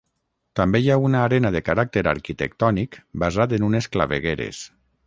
També hi ha una arena de caràcter arquitectònic basat en unes clavegueres.